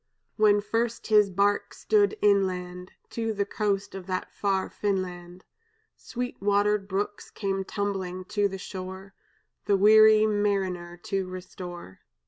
"When first his bark stood inland To the coast of that far Finland, Sweet watered brooks came tumbling to the shore, The weary mariner to restore.